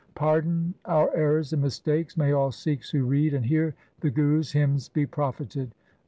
Pardon our errors and mistakes. May all Sikhs who read and hear the Gurus' hymns be profited